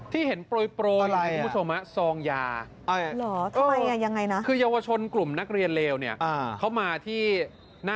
พี่พี่ยาของผมเอามาเพิ่งเอามาเพิ่ง